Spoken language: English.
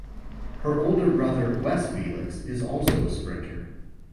Her older brother Wes Felix is also a sprinter.